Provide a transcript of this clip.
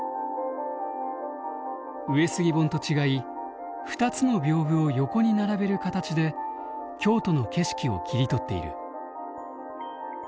「上杉本」と違い２つの屏風を横に並べる形で京都の景色を切り取っている。